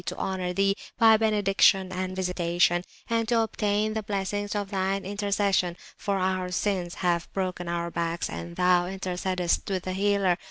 to honour Thee by benediction and visitation), and to obtain the Blessings of Thine Intercession, for our Sins have broken our Backs, and Thou intercedest with the Healer.